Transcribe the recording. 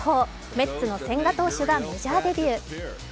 メッツの千賀投手がメジャーデビュー。